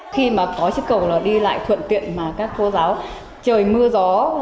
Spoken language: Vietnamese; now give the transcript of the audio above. khi mà có chiếc cầu là đi lại thuận tiện mà các cô giáo trời mưa gió